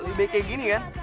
lebih kayak gini kan